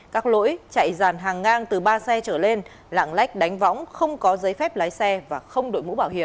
các lỗi chạy dàn hàng ngang từ ba xe trở lên lạng lách đánh võng không có giấy phép lái xe và không đội mũ bảo hiểm